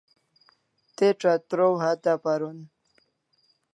Te chatraw hatya paron